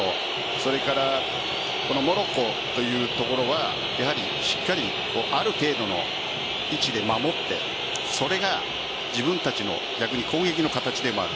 それからモロッコというところはしっかりある程度の位置で守ってそれが自分たちの逆に攻撃の形でもある。